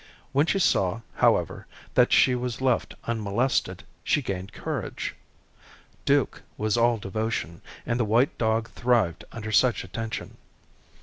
When she saw, however, that she was left unmolested, she gained courage. Duke was all devotion, and the white dog thrived under such attention.